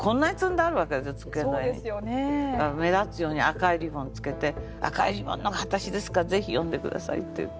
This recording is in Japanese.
だから目立つように赤いリボンつけて「赤いリボンのが私ですからぜひ読んで下さい」って言って。